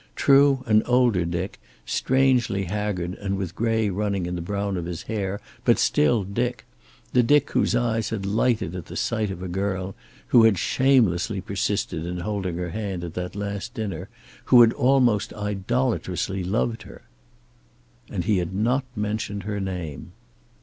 True, an older Dick, strangely haggard and with gray running in the brown of his hair, but still Dick; the Dick whose eyes had lighted at the sight of a girl, who had shamelessly persisted in holding her hand at that last dinner, who had almost idolatrously loved her. And he had not mentioned her name.